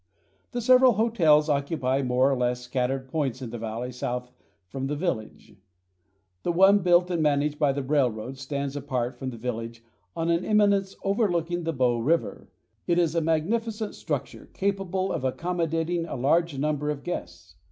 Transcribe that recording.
The several hotels occupy more or less scattered points in the valley south from the village. The one built and managed by the railroad stands apart from the village on an eminence overlooking the Bow River. It is a magnificent structure capable of accommodating a large number of guests.